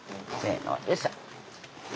よいしょ。